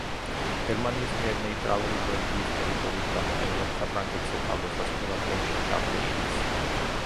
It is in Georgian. გერმანიის მიერ ნეიტრალური ბელგიის ტერიტორიის გამოყენებამ საფრანგეთზე თავდასასხმელად ომში ჩართო ინგლისი.